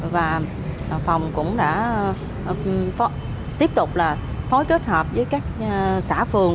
và phòng cũng đã tiếp tục là phối kết hợp với các xã phường